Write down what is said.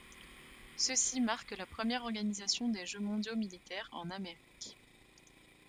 Ceux-ci marquent la première organisation des Jeux mondiaux militaires en Amérique.